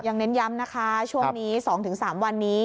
เน้นย้ำนะคะช่วงนี้๒๓วันนี้